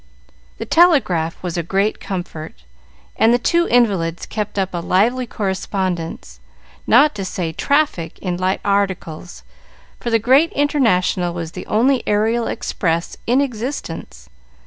The telegraph was a great comfort, and the two invalids kept up a lively correspondence, not to say traffic in light articles, for the Great International was the only aerial express in existence.